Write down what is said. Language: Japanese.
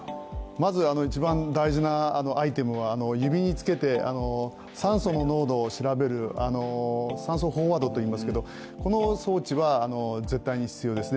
まず一番大事なアイテムは指につけて酸素の濃度を調べる酸素飽和度といいますけど、この装置は絶対に必要ですね。